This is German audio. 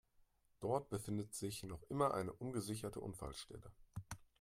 Dort befindet sich noch immer eine ungesicherte Unfallstelle.